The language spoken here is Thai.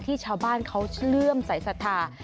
ที่ชาวบ้านเขาเริ่มใส่สัทธา